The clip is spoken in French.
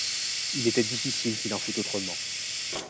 Il était difficile qu’il en fût autrement.